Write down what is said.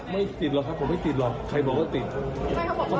ไม่ติดหรอกครับไม่ติดหรอกครับผมไม่ติดหรอก